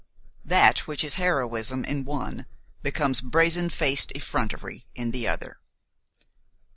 That which is heroism in the one becomes brazen faced effrontery in the other.